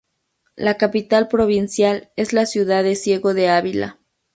La capital provincial es la ciudad de Ciego de Ávila.